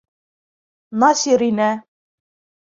Насир инә.